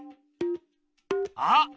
あっ！